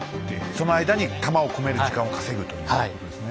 その間に弾を込める時間を稼ぐということですね。